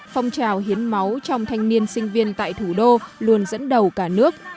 phong trào hiến máu trong thanh niên sinh viên tại thủ đô luôn dẫn đầu cả nước